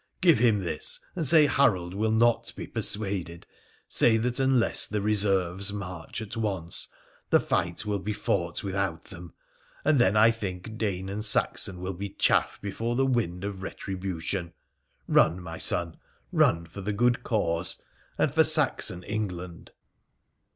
' Give him this, and say Harold will not be persuaded, say that unless the reserves march at once the fight will be fought without them — and then I think Pane and Saxon will be chaff before the wind of retribution. Bun ! my son — run for the good cause, and for Saxon England